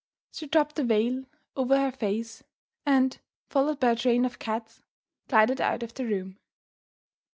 She dropped the veil over her face and, followed by her train of cats, glided out of the room.